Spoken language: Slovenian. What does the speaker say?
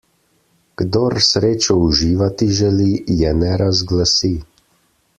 Kdor srečo uživati želi, je ne razglasi.